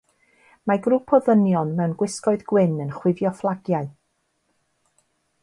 Mae grŵp o ddynion mewn gwisgoedd gwyn yn chwifio fflagiau.